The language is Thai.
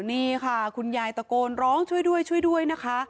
นี่ค่ะคุณยายตะโกนร้องช่วยด้วยช่วยด้วยนะคะ